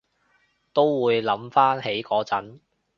都會諗返起嗰陣